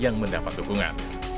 yang mendapat dukungan